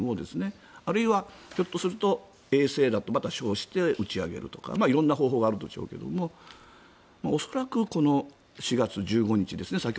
あるいはひょっとすると衛星だと称して打ち上げるとか色んな方法があるでしょうけど恐らくこの４月１５日ですね。